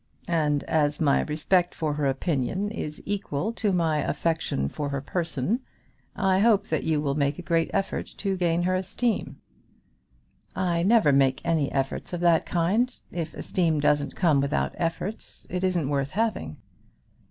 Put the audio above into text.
And as my respect for her opinion is equal to my affection for her person, I hope that you will make a great effort to gain her esteem." "I never make any efforts of that kind. If esteem doesn't come without efforts it isn't worth having."